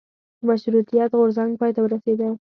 د مشروطیت غورځنګ پای ته ورسیده.